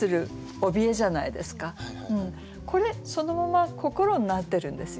これそのまま「心」になってるんですよね。